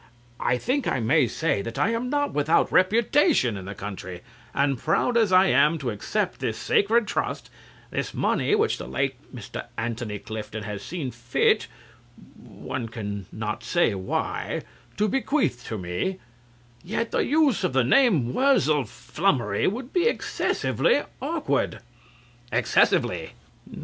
I think I may say that I am not without reputation in the country; and proud as I am to accept this sacred trust, this money which the late Mr. Antony Clifton has seen fit (modestly) one cannot say why to bequeath to me, yet the use of the name Wurzel Flummery would be excessively awkward. CLIFTON (cheerfully). Excessively.